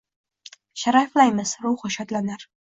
Sharaflaymiz, ruhi shodlanar